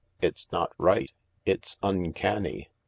It's not right. It's uncanny.